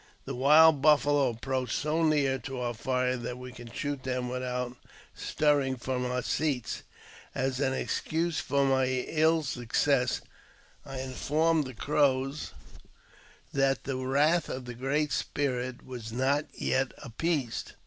The wild buffalo approached so lear to our fire that we could shoot them without stirring from >ur seats. As an excuse for my ill success, I informed the 1 240 AUTOBIOGRAPHY OF JAMES P. BECKWOUBTH. Crows that the wrath of the Great Spirit was not ye^ appeased.